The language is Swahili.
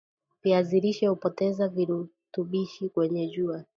viazi lishe hupoteza virutubishi kwenye jua